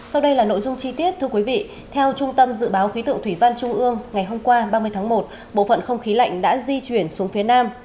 sau đây là nội dung chi tiết thưa quý vị theo trung tâm dự báo khí tượng thủy văn trung ương ngày hôm qua ba mươi tháng một bộ phận không khí lạnh đã di chuyển xuống phía nam